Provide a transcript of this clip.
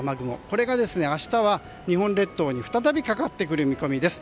これが明日は日本列島に再びかかってくる見込みです。